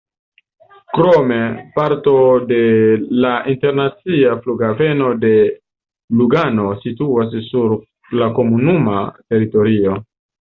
Krome parto de la internacia Flughaveno de Lugano situas sur la komunuma teritorio.